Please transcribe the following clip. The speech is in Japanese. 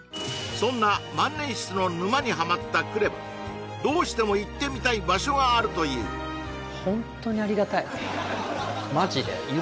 そんな万年筆の沼にハマったＫＲＥＶＡどうしても行ってみたい場所があるといううわ！！